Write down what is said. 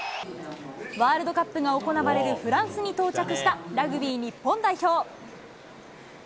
ワールドカップが行われるフランスに到着した、ラグビー日本代表。